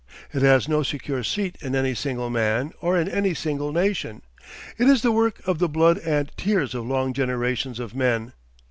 It has no secure seat in any single man or in any single nation. It is the work of the blood and tears of long generations of men.